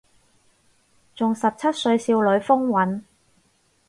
仲十七歲少女風韻